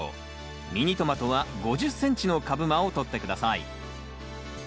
ミニトマトは５０ｃｍの株間をとって下さい。